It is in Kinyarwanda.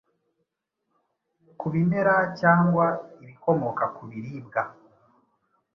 ku bimera cyangwa ibikomoka ku biribwa